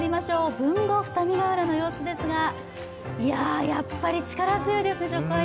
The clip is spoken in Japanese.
豊後二見ヶ浦の様子ですが、やっぱり力強いですね。